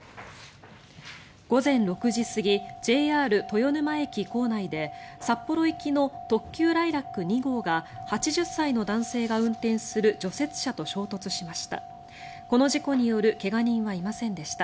午前６時過ぎＪＲ豊沼駅構内で札幌行きの特急ライラック２号が８０歳の男性が運転する除雪車と衝突しました。